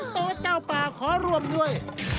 ก็สิงตัวเจ้าป่าขอรวมด้วย